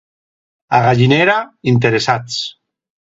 A Gallinera, interessats.